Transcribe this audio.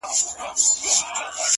• قلندر ويله هلته بيزووانه,